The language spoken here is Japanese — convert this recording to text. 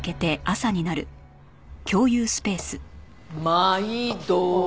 まいど。